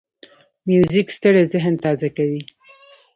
موزیک ستړی ذهن تازه کوي.